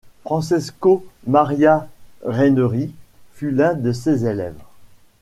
Francesco Maria Raineri fut l'un de ses élèves.